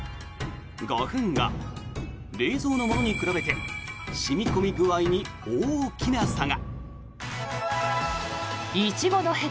５分後、冷蔵のものに比べ染み込み具合に大きな差が。